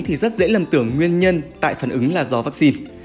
thì rất dễ lầm tưởng nguyên nhân tại phản ứng là do vaccine